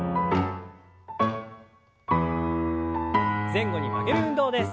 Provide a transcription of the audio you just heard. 前後に曲げる運動です。